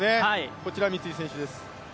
こちら、三井選手です。